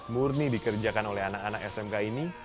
murni dikerjakan oleh anak anak smk ini